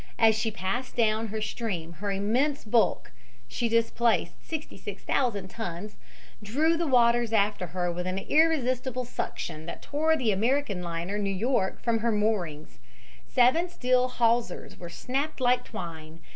As she passed down stream her immense bulk she displaced 66,000 tons drew the waters after her with an irresistible suction that tore the American liner New York from her moorings; seven steel hawsers were snapped like twine.